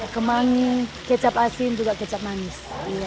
kemangi kecap asin juga kecap manis